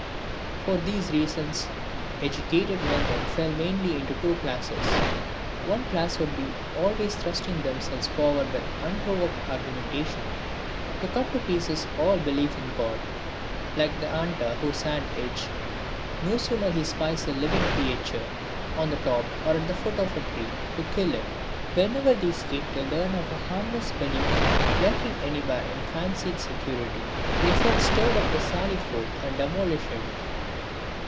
For these reasons educated men then fell mainly into two classes. One class would be always thrusting themselves forward with unprovoked argumentation to cut to pieces all belief in God. Like the hunter whose hands itch, no sooner he spies a living creature on the top or at the foot of a tree, to kill it, whenever these came to learn of a harmless belief lurking anywhere in fancied security, they felt stirred up to sally forth and demolish it.